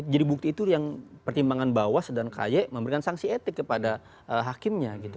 jadi bukti itu yang pertimbangan bawas dan kayak memberikan sanksi etik kepada hakimnya gitu